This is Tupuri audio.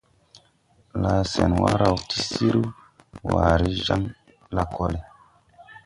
Laasenwa raw ti sir waaré jaŋ lakol.